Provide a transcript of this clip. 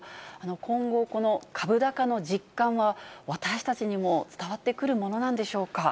今後、この株高の実感は私たちにも伝わってくるものなんでしょうか。